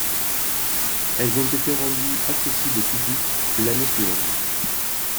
Elles ont été rendues accessibles au public l'année suivante.